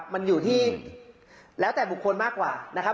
มันอยู่ที่แล้วแต่บุคคลมากกว่านะครับ